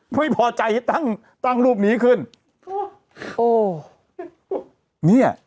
ไม่พอใจที่ตั้งตั้งรูปนี้ขึ้น